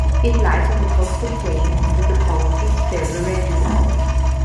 It lies on the coastal plain and the topography is fairly regular.